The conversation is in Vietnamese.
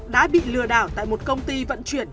đã bị lừa đảo tại một công ty vận chuyển